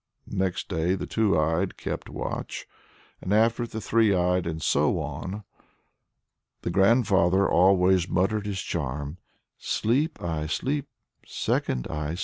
Next day the two eyed kept watch, and after it the three eyed and so on. The grandfather always muttered his charm 'Sleep, eye! Sleep, second eye!